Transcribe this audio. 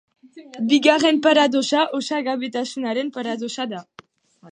Bigarren paradoxa osagabetasunaren paradoxa da.